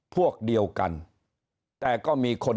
พวกเดียวกันแต่ก็มีคน